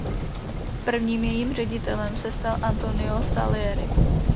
Prvním jejím ředitelem se stal Antonio Salieri.